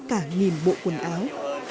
cả nghìn bộ quần áo